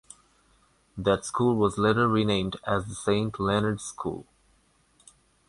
That school was later renamed as the St Leonards School.